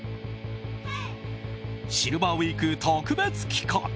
シルバーウィーク特別企画！